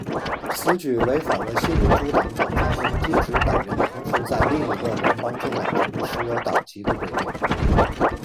此举违反了新民主党党章中禁止党员同时在另一个联邦政党中持有党籍的规定。